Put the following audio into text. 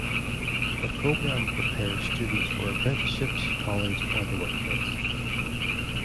The program prepares students for apprenticeships, college or the workplace.